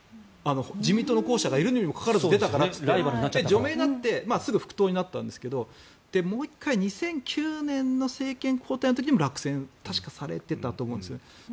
自民党の候補者がいるにもかかわらず出たから除名になってすぐに復党になったんですがもう１回２００９年の政権交代の時にも確か落選されていたと思うんですね。